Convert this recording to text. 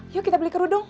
yuk kita beli kerudung